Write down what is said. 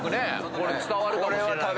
これ伝わるかもしれないから。